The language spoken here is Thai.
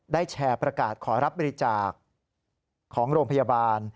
แชร์ประกาศขอรับบริจาคของโรงพยาบาล